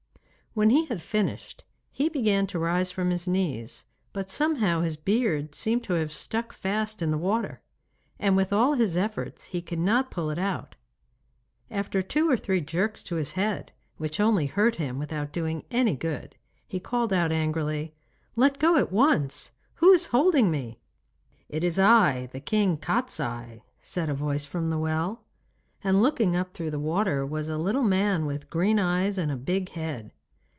When he had finished he began to rise from his knees, but somehow his beard seemed to have stuck fast in the water, and with all his efforts he could not pull it out. After two or three jerks to his head, which only hurt him without doing any good, he called out angrily, 'Let go at once! Who is holding me?' 'It is I, the King Kostiei,' said a voice from the well, and looking up through the water was a little man with green eyes and a big head.